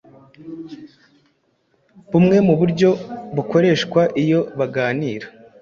bumwe mu buryo bakoresha iyo baganira